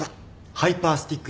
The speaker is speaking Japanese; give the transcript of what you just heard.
ハイパースティック！？